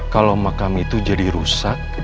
kalau makam itu jadi rusak